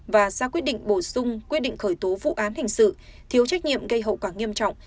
và ra quyết định bổ sung quyết định khởi tố vụ án hình sự thiếu trách nhiệm gây hậu quả nghiêm trọng